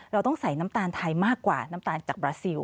เราต้องใส่น้ำตาลไทยมากกว่าน้ำตาลจากบราซิล